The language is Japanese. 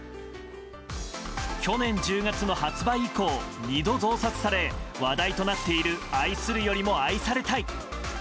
去年１０月の発売以降２度増刷され話題となっている「愛するよりも愛されたい」。